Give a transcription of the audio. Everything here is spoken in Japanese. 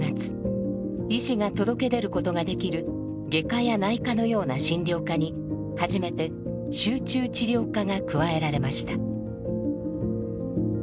医師が届け出ることができる外科や内科のような診療科に初めて「集中治療科」が加えられました。